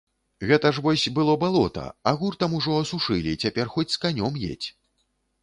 Гэта ж вось было балота, а гуртам ужо асушылі, цяпер хоць з канём едзь.